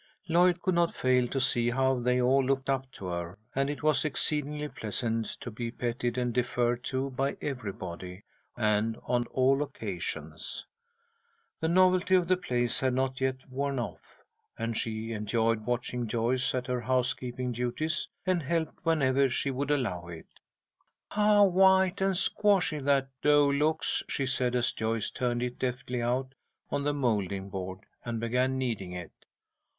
Lloyd could not fail to see how they all looked up to her, and it was exceedingly pleasant to be petted and deferred to by everybody, and on all occasions. The novelty of the place had not yet worn off, and she enjoyed watching Joyce at her housekeeping duties, and helped whenever she would allow it. "How white and squashy that dough looks," she said, as Joyce turned it deftly out on the moulding board and began kneading it.